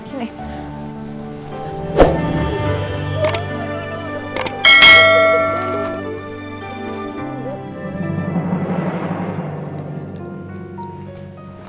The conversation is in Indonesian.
salat subuh yuk disini